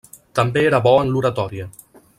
També era bo en l'oratòria.